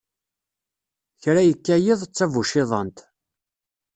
Kra yekka yiḍ, d tabuciḍant.